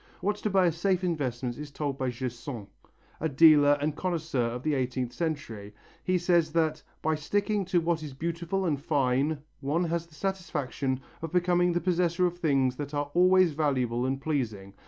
What to buy as safe investments is told by Gersaint, a dealer and connoisseur of the eighteenth century. He says that "by sticking to what is beautiful and fine one has the satisfaction of becoming the possessor of things that are always valuable and pleasing.